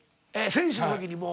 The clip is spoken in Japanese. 選手の時にもう。